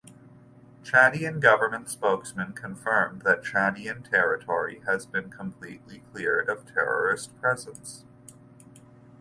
Chadian government spokesman confirmed that Chadian territory has been completely cleared of terrorist presence.